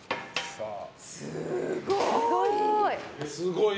すごい！